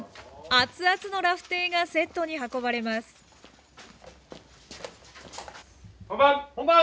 熱々のラフテーがセットに運ばれます本番！